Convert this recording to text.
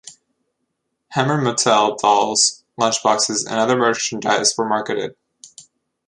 Hammer Mattel dolls, lunchboxes, and other merchandise were marketed.